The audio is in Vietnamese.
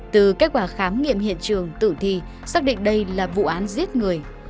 từ kết quả khám nghiệm hiện trường tử thi xác định đây là vụ án giết người